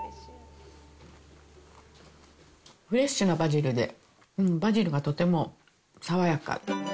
フレッシュなバジルで、バジルがとても爽やか。